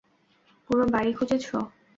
পুরো বাড়ী খুঁজেছো?